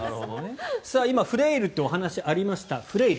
今、フレイルというお話がありました。